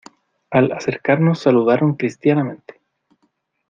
al acercarnos saludaron cristianamente: